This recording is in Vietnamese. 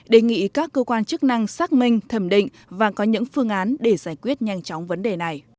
đề nghị các cơ quan chức năng xác minh thẩm định và có những phương án để giải quyết nhé